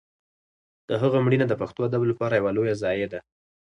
د هغه مړینه د پښتو ادب لپاره یوه لویه ضایعه ده.